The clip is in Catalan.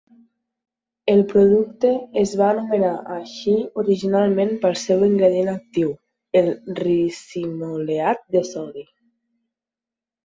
El producte es va anomenar així originalment pel seu ingredient actiu, el ricinoleat de sodi.